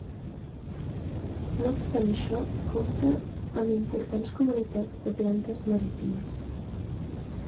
No obstant això, compta amb importants comunitats de plantes marítimes.